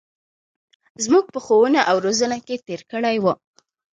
زمـوږ په ښـوونه او روزنـه کـې تېـر کـړى و.